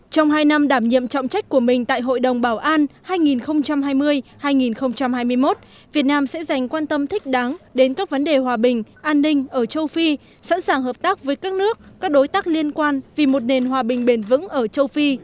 trong hai năm đảm nhiệm trọng trách của mình tại hội đồng bảo an hai nghìn hai mươi hai nghìn hai mươi một việt nam sẽ dành quan tâm thích đáng đến các vấn đề hòa bình an ninh ở châu phi sẵn sàng hợp tác với các nước các đối tác liên quan vì một nền hòa bình bền vững ở châu phi